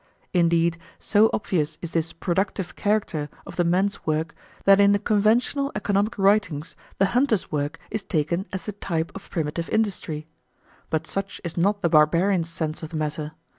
Indeed, so obvious is this "productive" character of the men's work that in the conventional economic writings the hunter's work is taken as the type of primitive industry. But such is not the barbarian's sense of the matter.